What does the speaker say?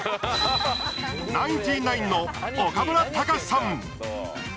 ナインティナインの岡村隆史さん。